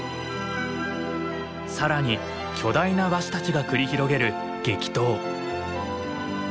更に巨大なワシたちが繰り広げる激闘。